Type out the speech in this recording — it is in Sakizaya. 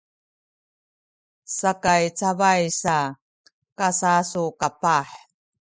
sakay cabay sa kasasukapah